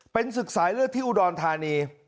เป็นศึกสายเลือดที่อุดรธานี